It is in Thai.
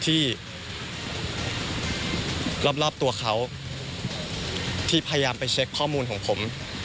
ที่รอบตัวเขาที่พยายามไปเช็คข้อมูลของผม